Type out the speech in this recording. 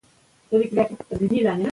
پوهه د پښتو ژبې له لارې ترلاسه کېدای سي.